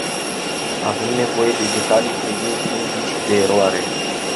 Avem nevoie de detalii privind indicii de eroare.